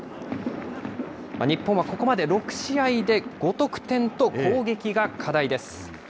日本はここまで６試合で５得点と攻撃が課題です。